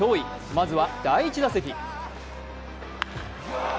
まずは第１打席。